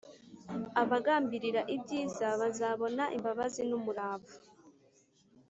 abagambirira ibyiza bazabona imbabazi n’umurava